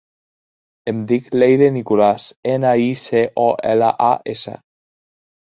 Em dic Leire Nicolas: ena, i, ce, o, ela, a, essa.